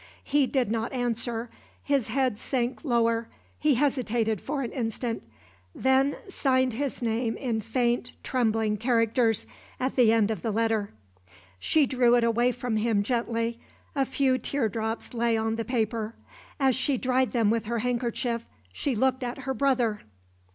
He did not answer his head sank lower he hesitated for an instant then signed his name in faint, trembling characters, at the end of the letter. She drew it away from him gently. A few tear drops lay on the paper. As she dried them with her handkerchief she looked at her brother.